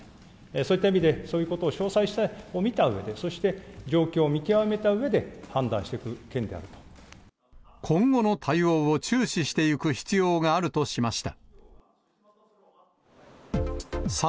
そういった意味で、そういうことを、詳細を見たうえで、そして状況を見極めたうえで、今後の対応を注視していく必要があるとしました。